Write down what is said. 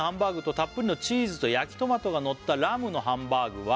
「たっぷりのチーズと焼きトマトがのったラムのハンバーグは」